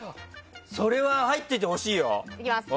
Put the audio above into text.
それは入っててほしいよ。いきます。